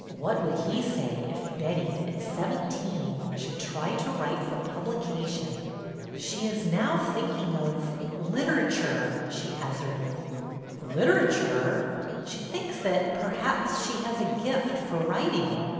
What would he say if Betty, at seventeen, should try to write for publication ?'' She is now thinking of — literature," she hazarded. Literature!" '' She thinks that — perhaps — she has a gift for writing."